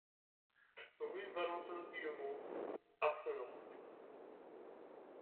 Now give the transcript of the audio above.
Rue Valentin Guillemot, Arcenant